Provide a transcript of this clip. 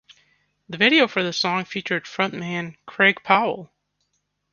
The video for the song featured frontman Craig Powell.